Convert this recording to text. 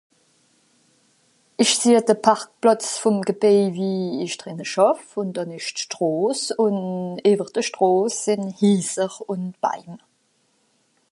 isch sehe de parkplàtz vòm gebei wie isch drenne schàff ùn dànn esch d'stràss ùn ìwer de stràss sìn hiisser ùn baim